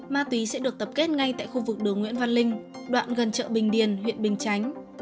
ma túy sẽ được tập kết ngay tại khu vực đường nguyễn văn linh đoạn gần chợ bình điền huyện bình chánh